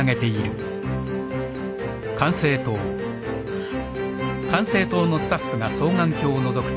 あっ。